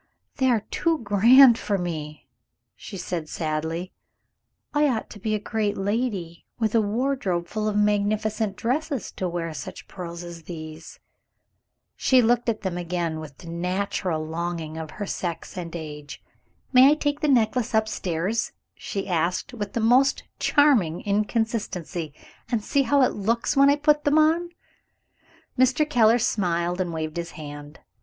"They are too grand for me," she said sadly; "I ought to be a great lady, with a wardrobe full of magnificent dresses, to wear such pearls as these!" She looked at them again, with the natural longing of her sex and age. "May I take the necklace upstairs," she asked, with the most charming inconsistency, "and see how it looks when I put it on?" Mr. Keller smiled and waved his hand.